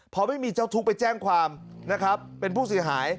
พอไม่มีเจ้าทุกข์ไปแจ้งความนะครับเป็นผู้เสียหาย